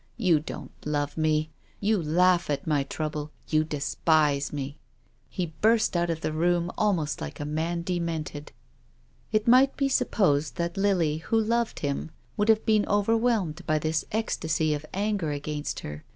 You don't love me, you laugh at my trouble. You despise mc." He burst out of the room almost like a man demented. It might be supposed that Lily, who loved him, would have been overwhelmed by this ecstasy of anger against her.